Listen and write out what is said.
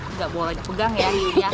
nggak boleh pegang ya hiunya